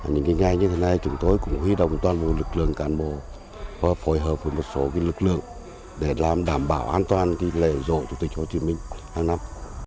những ngày như thế này chúng tôi cũng huy động toàn bộ lực lượng cán bộ phối hợp với một số lực lượng để làm đảm bảo an toàn lễ dỗ chủ tịch hồ chí minh hàng năm